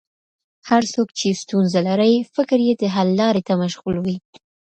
هر څوک چې ستونزه لري، فکر یې د حل لارې ته مشغول وي.